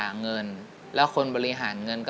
รายการต่อไปนี้เป็นรายการทั่วไปสามารถรับชมได้ทุกวัย